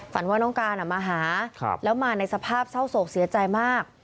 ว่าน้องการมาหาแล้วมาในสภาพเศร้าโศกเสียใจมาก